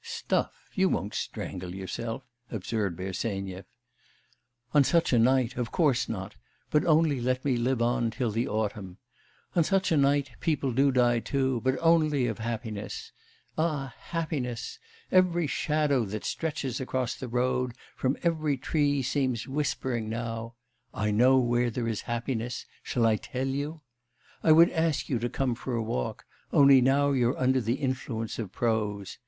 'Stuff, you won't strangle yourself,' observed Bersenyev. 'On such a night, of course not; but only let me live on till the autumn. On such a night people do die too, but only of happiness. Ah, happiness! Every shadow that stretches across the road from every tree seems whispering now: "I know where there is happiness... shall I tell you?" I would ask you to come for a walk, only now you're under the influence of prose.